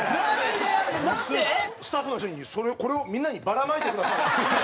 スタッフの人に「これをみんなにばらまいてください」って。